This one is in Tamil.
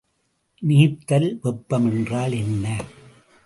நீர்த்தல் வெப்பம் என்றால் என்ன?